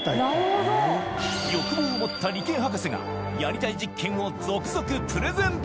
欲望を持った理系博士がやりたい実験を続々プレゼン